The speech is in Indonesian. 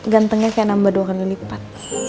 gantengnya kayak nambah dua kali lipat